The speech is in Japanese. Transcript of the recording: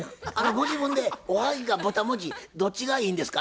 ご自分でおはぎかぼたもちどっちがいいんですか？